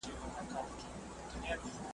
خر خپل او پردي فصلونه نه پېژني ,